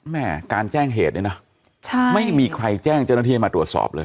แม่การแจ้งเหตุเนี่ยนะไม่มีใครแจ้งเจ้าหน้าที่ให้มาตรวจสอบเลย